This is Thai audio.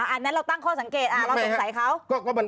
อันนั้นเราตั้งข้อสังเกตเราสงสัยเขา